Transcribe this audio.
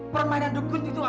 permainan dukun itu apa